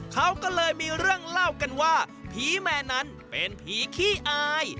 เขาก็เลยมีเรื่องเล่ากันว่าผีแมนนั้นเป็นผีขี้อาย